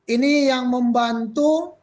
ini yang membantu